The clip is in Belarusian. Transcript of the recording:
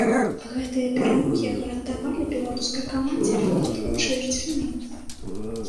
Гэтыя перамогі гарантавалі беларускай камандзе выхад у чвэрцьфінал.